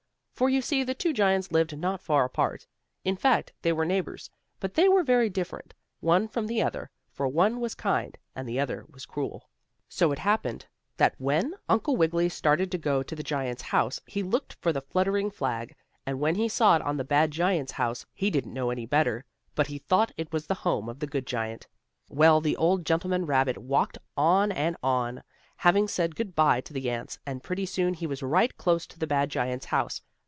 For you see, the two giants lived not far apart. In fact they were neighbors, but they were very different, one from the other, for one was kind and the other was cruel. So it happened, that when Uncle Wiggily started to go to the giant's house he looked for the fluttering flag, and when he saw it on the bad giant's house he didn't know any better, but he thought it was the home of the good giant. Well, the old gentleman rabbit walked on and on, having said good by to the ants, and pretty soon he was right close to the bad giant's house.